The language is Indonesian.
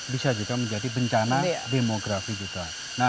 bisa juga menjadi bencana demografi juga